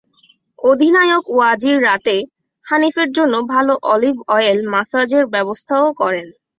অধিনায়ক ওয়াজির রাতে হানিফের জন্য ভাল অলিভ অয়েল ম্যাসাজের ব্যবস্থাও করেন।